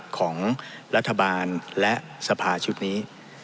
ของรัฐบาลและสภาชุดนี้